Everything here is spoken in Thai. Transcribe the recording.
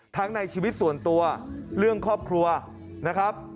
ในชีวิตส่วนตัวเรื่องครอบครัวนะครับ